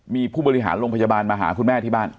มีผู้บริหารโรงพยาบาลมาหาคุณแม่ที่บ้าน